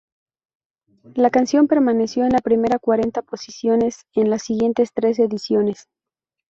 La canción permaneció en las primeras cuarenta posiciones en las siguientes tres ediciones.